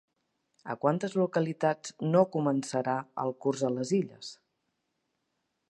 A quantes localitats no començarà el curs a les Illes?